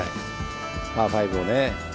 パー５を。